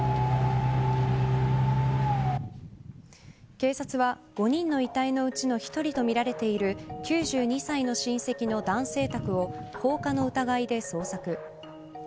警察は５人の遺体のうちの１人とみられている９２歳の親戚の男性宅を放火の疑いで捜索。